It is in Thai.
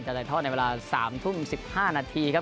ถ่ายทอดในเวลา๓ทุ่ม๑๕นาทีครับ